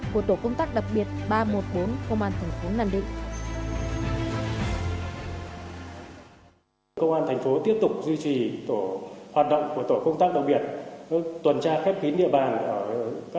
và nhiệm vụ thường ngày của tổ công tác đặc biệt